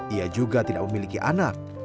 ia juga tidak memiliki anak